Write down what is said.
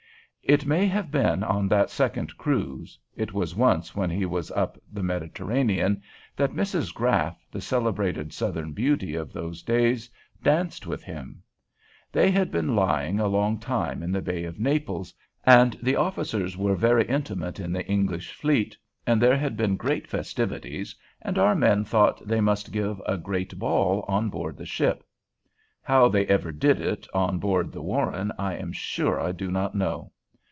It may have been on that second cruise, it was once when he was up the Mediterranean, that Mrs. Graff, the celebrated Southern beauty of those days, danced with him. They had been lying a long time in the Bay of Naples, and the officers were very intimate in the English fleet, and there had been great festivities, and our men thought they must give a great ball on board the ship. How they ever did it on board the "Warren" I am sure I do not know.